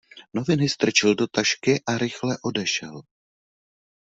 Noviny strčil do tašky a rychle odešel.